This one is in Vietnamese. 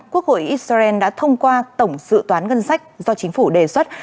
quốc hội israel đã thông qua tổng dự toán ngân sách do chính phủ đề xuất